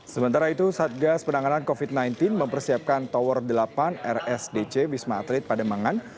sementara itu satgas penanganan covid sembilan belas mempersiapkan tower delapan rsdc wisma atlet pademangan